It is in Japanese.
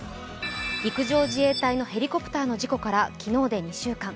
陸上自衛隊のヘリコプターの事故から今日で１週間。